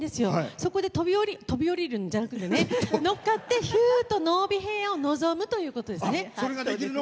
そこで飛び降りるんじゃなくてふゅーっと濃尾平野を望むということですね。